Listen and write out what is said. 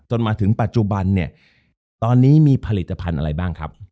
จนถึงปัจจุบันเนี่ยตอนนี้มีผลิตภัณฑ์อะไรบ้างครับ